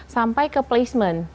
sampai ke placement